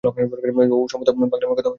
ওর ও-সমস্ত পাগলামির কথা তোমরা শোন কেন?